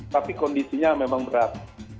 tapi kondisinya memang berat